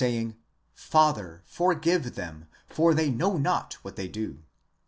saying : Father, forgive them, for they know not what they do (v.